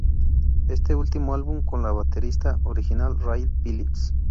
Es el último álbum con el baterista original Ray Philips.